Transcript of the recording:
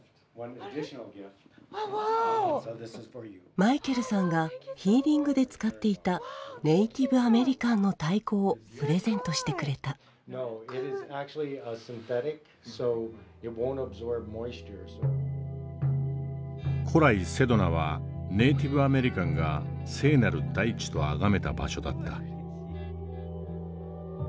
マイケルさんがヒーリングで使っていたネイティブ・アメリカンの太鼓をプレゼントしてくれた古来セドナはネイティブ・アメリカンが聖なる大地とあがめた場所だった。